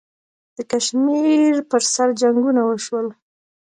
د کشمیر پر سر جنګونه وشول.